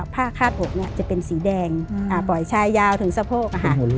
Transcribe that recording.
ผ้าคาดอกจะเป็นสีแดงปล่อยชายยาวถึงสะโพก